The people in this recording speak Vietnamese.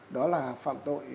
đó là phạm tội